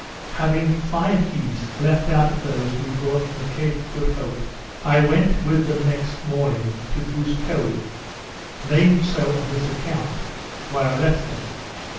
Having five geese left out of those we brought from the Cape of Good Hope, I went with them next morning to Goose Cove (named so on this account,) where I left them.